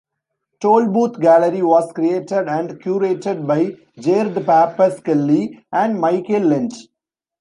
Tollbooth Gallery was created and curated by Jared Pappas-Kelley and Michael Lent.